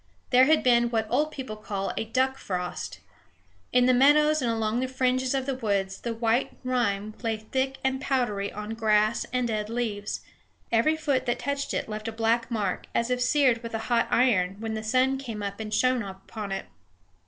There had been what old people call a duck frost. In the meadows and along the fringes of the woods the white rime lay thick and powdery on grass and dead leaves; every foot that touched it left a black mark, as if seared with a hot iron, when the sun came up and shone upon it.